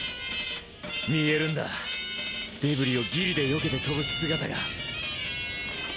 見えるんだデブリをギリでよけて飛ぶ姿が。